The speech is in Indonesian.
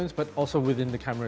tapi juga di dalam kamera